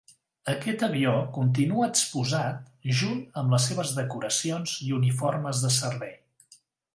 Aquest avió continua exposat junt amb les seves decoracions i uniformes de servei.